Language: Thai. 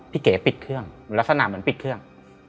เก๋ปิดเครื่องลักษณะเหมือนปิดเครื่อง